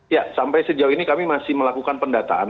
ya sampai sejauh ini kami masih melakukan pendataan